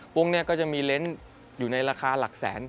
พวกนี้ก็จะมีเล้นอยู่ในราคาหลักแสน